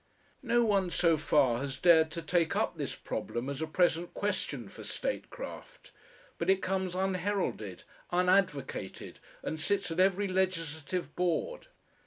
No one so far has dared to take up this problem as a present question for statecraft, but it comes unheralded, unadvocated, and sits at every legislative board.